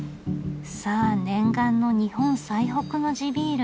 さあ念願の日本最北の地ビール。